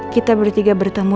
kita bertiga bertemu